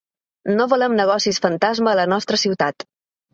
No volem negocis fantasma a la nostra ciutat.